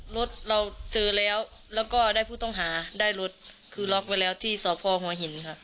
รถเราเจอแล้วแล้วก็ได้ผู้ต้องหาได้รถคือล็อกไว้แล้วที่สพหัวหินค่ะ